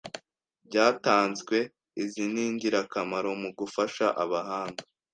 byatanzwe Izi ningirakamaro mu gufasha abahanga